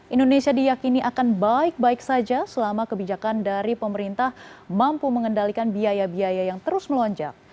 indonesia diyakini akan baik baik saja selama kebijakan dari pemerintah mampu mengendalikan biaya biaya yang terus melonjak